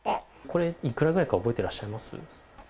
これ、いくらぐらいか覚えてらっしゃいます？